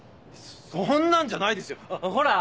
そんなんじゃないですよほら。